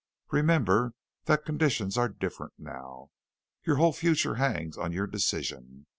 Remember that conditions are different now. Your whole future hangs on your decision.